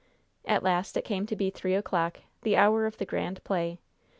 At last it came to be three o'clock, the hour of the grand play.